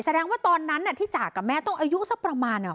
แสดงว่าตอนนั้นที่จากกับแม่ต้องอายุสักประมาณ